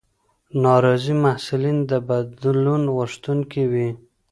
ناراضي محصلین د بدلون غوښتونکي وي.